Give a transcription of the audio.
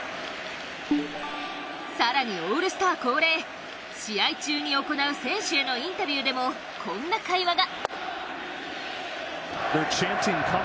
更に、オールスター恒例試合中に行う選手へのインタビューでも、こんな会話が。